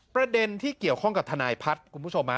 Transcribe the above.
ประเด็นที่เกี่ยวข้องกับทนายพัฒน์คุณผู้ชม